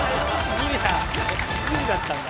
ギリだったんだ。